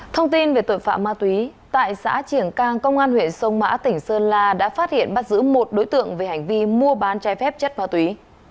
thông tin về tội phạm ma túy tại xã triển cang công an huyện sông mã tỉnh sơn la đã phát hiện bắt giữ một đối tượng về hành vi mua bán chai phép chất ma túy